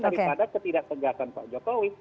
daripada ketidak tegasan pak jokowi